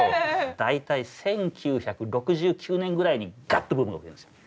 大体１９６９年ぐらいにガッとブームが起こるんですよ。